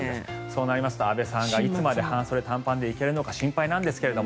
そうなりますと安部さんがいつまで半袖短パンで行けるのか不安なんですが。